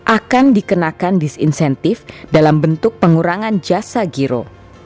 akan dikenakan disinsentif dalam bentuk pengurangan jasa giro